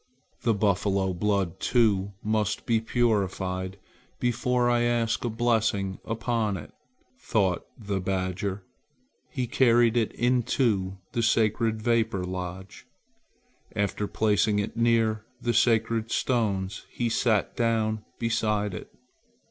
"The buffalo blood, too, must be purified before I ask a blessing upon it," thought the badger. He carried it into the sacred vapor lodge. After placing it near the sacred stones, he sat down beside it.